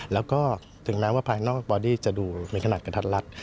แล้วก็ถึงแม้ว่าภายนอกบอดี้จะดูในขนาดกระทัดรัด